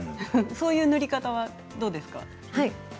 そういう塗り方はどうですか？